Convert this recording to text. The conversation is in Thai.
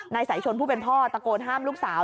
สายชนผู้เป็นพ่อตะโกนห้ามลูกสาว